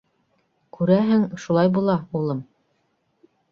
Күрәһең, шулай була, улым...